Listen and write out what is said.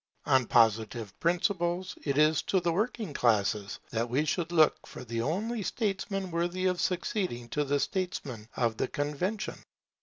On Positive principles, it is to the working classes that we should look for the only statesmen worthy of succeeding to the statesmen of the Convention.